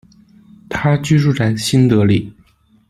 他居住在新德里。